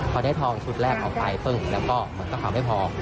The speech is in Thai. พอได้ทองชุดแรกออกไปปึ้งแล้วก็มันก็เผาไม่พอ